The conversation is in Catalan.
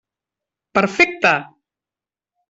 Perfecte!